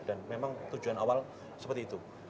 dan memang tujuan awal seperti itu